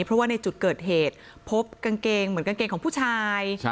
เพราะว่าในจุดเกิดเหตุพบกางเกงเหมือนกางเกงของผู้ชาย